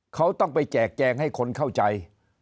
เขาต้องไปแจกแจงให้คนเข้าใจ